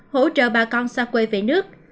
hỗ trợ bà con xa quê về nước